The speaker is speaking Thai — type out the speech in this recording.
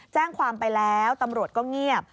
แจ้งความไปแล้วตำรวจก็เงียบ